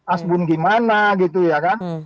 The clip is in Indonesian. asbun gimana gitu ya kan